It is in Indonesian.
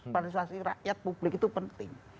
partisipasi rakyat publik itu penting